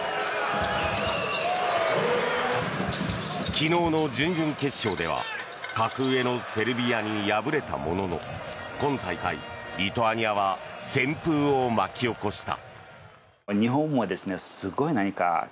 昨日の準々決勝では格上のセルビアに敗れたものの今大会、リトアニアは旋風を巻き起こした。